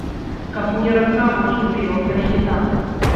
Каб мне раса вочы выела, калі не так!